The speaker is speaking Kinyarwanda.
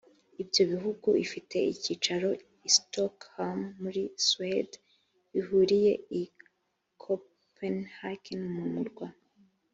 ibyo bihugu ifite icyicaro i stockholm muri suede bahuriye i copenhagen mu murwa